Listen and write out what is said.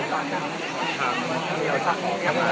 เราอาจจะเห็นภาพได้ไม่ชัดเจนพอใคร